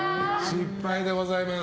失敗でございます。